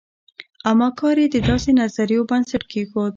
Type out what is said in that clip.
اما کار یې د داسې نظریو بنسټ کېښود.